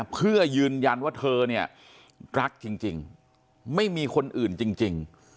เพื่อยืนยันว่าเธอเนี่ยรักจริงไม่มีคนอื่นจริง